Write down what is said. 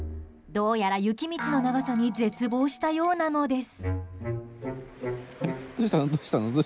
どうやら雪道の長さに絶望したようなのです。